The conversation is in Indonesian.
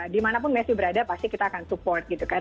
di mana pun messi berada pasti kita akan support gitu kan